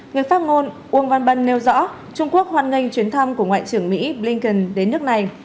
người phát ngôn uông văn bân nêu rõ trung quốc hoan nghênh chuyến thăm của ngoại trưởng mỹ blinken đến nước này